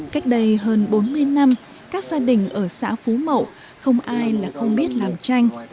cách đây hơn bốn mươi năm các gia đình ở xã phú mậu không ai là không biết làm tranh